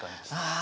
あ。